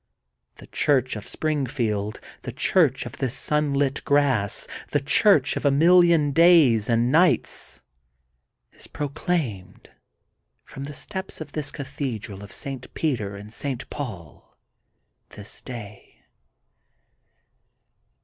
The Church of Spring field, the church of this sunlit grass, the church of a million days and nights, is pro claimed from the steps of this Cathedral of St. Peter and St. Paul this day.'